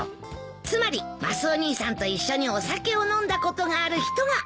つまりマスオ兄さんと一緒にお酒を飲んだことがある人が怪しい。